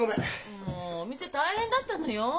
もうお店大変だったのよ。